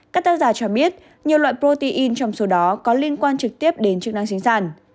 các tác giả cho biết nhiều loại protein trong số đó có liên quan trực tiếp đến chức năng sinh sản